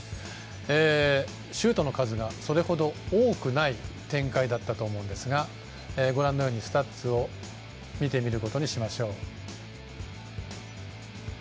シュートの数がそれほど多くない展開だったと思うんですがスタッツを見てみることにいたしましょう。